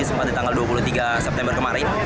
sempat di tanggal dua puluh tiga september kemarin